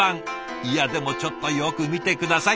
いやでもちょっとよく見て下さい。